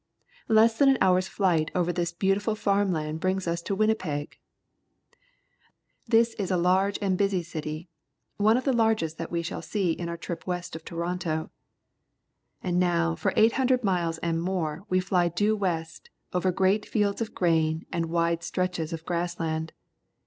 Less than an hour's flight over this beauti ful farm land brings us to Winnipeg. This A Typical Forest and Lake Area, Northern Ontario is a large and busy city — one of the largest that we shall see in our trip west of Toronto. And now for 800 miles and more we fly due west over great fields of grain and wide stretches of grass land.